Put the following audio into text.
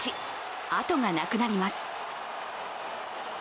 あとがなくなります。